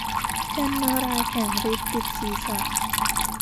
ยันต์นารายณ์แผลงฤทธิ์ปิดศรีษะ